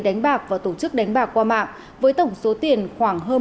đánh bạc và tổ chức đánh bạc qua mạng với tổng số tiền khoảng